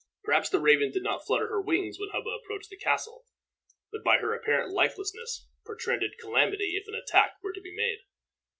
Perhaps the raven did not flutter her wings when Hubba approached the castle, but by her apparent lifelessness portended calamity if an attack were to be made.